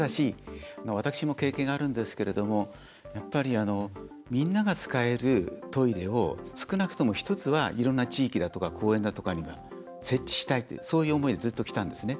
ただし、私も経験あるんですがみんなが使えるトイレを少なくとも１つはいろんな地域だとか公園とかには設置したいというそういう思いできたんですね。